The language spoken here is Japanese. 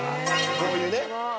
こういうねええ。